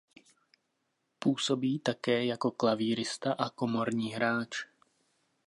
Působí také jako klavírista a komorní hráč.